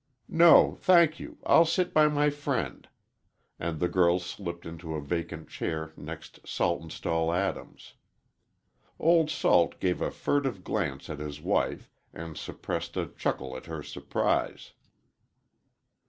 "No, thank you, I'll sit by my friend," and the girl slipped into a vacant chair next Saltonstall Adams. Old Salt gave a furtive glance at his wife, and suppressed a chuckle at her surprise.